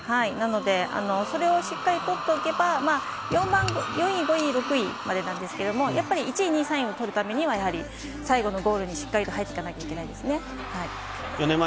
なので、それをしっかり取っておけば、４位、５位、６位までなんですけれども、１位、２位、３位を取るためには、最後のゴールにしっかり入っていかなきゃいけないですね。